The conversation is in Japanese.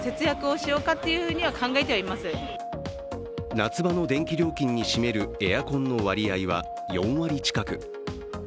夏場の電気料金に占めるエアコンの割合は４割近く。